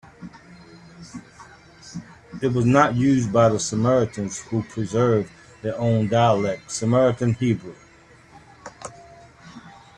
It was not used by the Samaritans, who preserved their own dialect, Samaritan Hebrew.